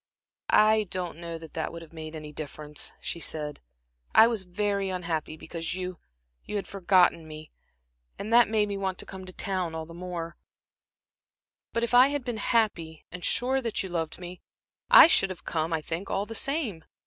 "I don't know that that would have made any difference," she said. "I was very unhappy because you had forgotten me, and that made me want to come to town, all the more; but if I had been happy, and sure that you loved me, I should have come, I think, all the same.